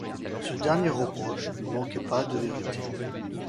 Ce dernier reproche ne manquait pas de vérité.